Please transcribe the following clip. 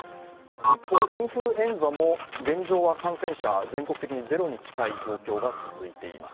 一方、インフルエンザも現状は感染者、全国的にゼロに近い状況が続いています。